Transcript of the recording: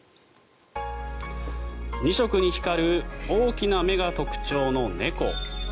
２色に光る大きな目が特徴の猫。